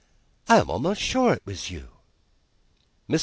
I am almost sure it was you." Mr.